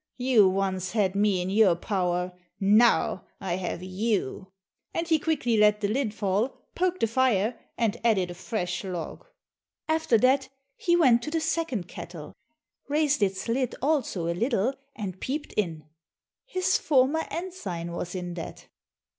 You once had me in your power, now I have you," and he quickly let the lid fall, poked the fire, and added a fresh log. After that, he went to the second kettle, raised its lid also a little, and peeped in; his former ensign was in that.